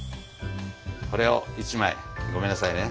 これを１枚ごめんなさいね。